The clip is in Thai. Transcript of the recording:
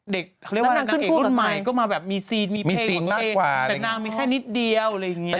เรียกว่านางเอกรุ่นใหม่ก็มาแบบมีซีนมีเพลงของตัวเองแต่นางมีแค่นิดเดียวอะไรอย่างนี้